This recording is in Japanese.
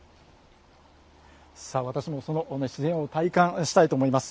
私もその自然を体感したいと思います。